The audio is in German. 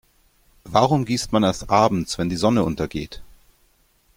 Warum gießt man erst abends, wenn die Sonne untergeht?